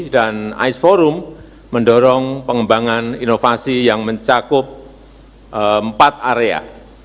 dan ais forum mendorong pengembangan inovasi yang mencakup empat area